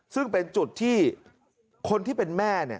ซึ่งเป็นจุดที่คนที่เป็นแม่